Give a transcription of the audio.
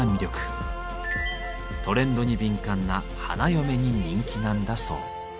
トレンドに敏感な花嫁に人気なんだそう。